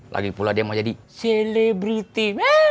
lagipula dia mau jadi selebriti